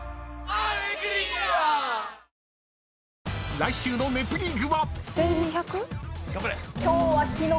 ［来週の『ネプリーグ』は］